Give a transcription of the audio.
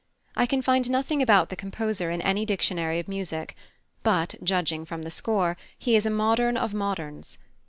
I can find nothing about the composer in any dictionary of music, but, judging from the score, he is a modern of moderns.